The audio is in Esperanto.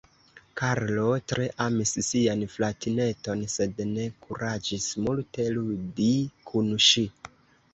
Karlo tre amis sian fratineton, sed ne kuraĝis multe ludi kun ŝi.